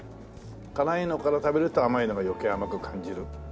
辛いのから食べると甘いのが余計甘く感じる。